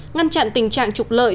ngăn chặn tình trạng trục lợi